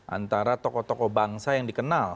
antara tokoh tokoh bangsa yang dikenal